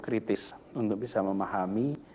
kritis untuk bisa memahami